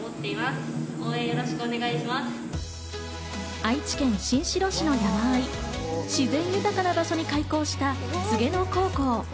愛知県新城市の山あい、自然豊かな場所に開校した黄柳野高校。